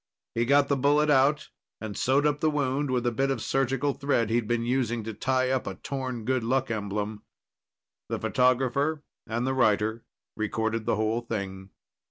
He got the bullet out and sewed up the wound with a bit of surgical thread he'd been using to tie up a torn good luck emblem. The photographer and writer recorded the whole thing.